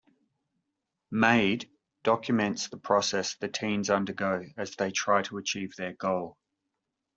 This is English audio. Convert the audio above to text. "Made" documents the process the teens undergo as they try to achieve their goal.